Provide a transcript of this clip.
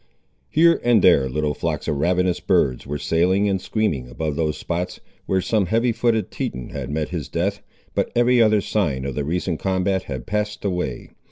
Here and there little flocks of ravenous birds were sailing and screaming above those spots where some heavy footed Teton had met his death, but every other sign of the recent combat had passed away.